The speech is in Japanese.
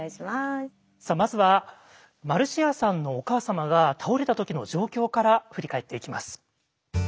さあまずはマルシアさんのお母様が倒れた時の状況から振り返っていきます。